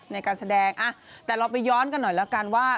ในการแสดงแต่เราไปย้อนกันหน่อยแล้วกันว่า